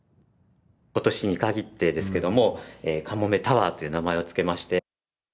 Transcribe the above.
ことしに限ってですけれども、カモメタワーという名前を付けまして。